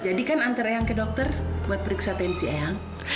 jadi kan antar eyang ke dokter buat periksa tensi eyang